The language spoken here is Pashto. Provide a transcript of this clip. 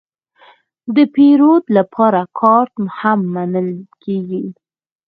د پیرود لپاره کارت هم منل کېږي.